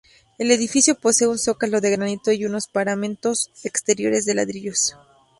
El edificio posee un zócalo de granito y unos paramentos exteriores de ladrillos.